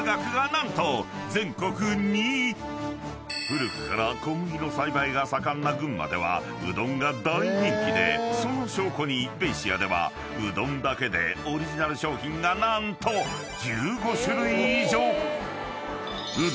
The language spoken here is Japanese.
［古くから小麦の栽培が盛んな群馬ではうどんが大人気でその証拠にベイシアではうどんだけでオリジナル商品が何と１５種類以上］